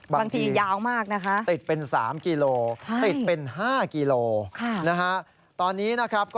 บางทีติดเป็น๓กิโลกรัมติดเป็น๕กิโลกรัม